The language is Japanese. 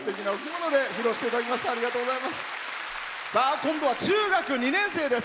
今度は中学２年生です。